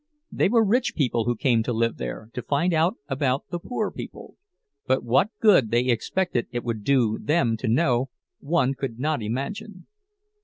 They were rich people who came to live there to find out about the poor people; but what good they expected it would do them to know, one could not imagine.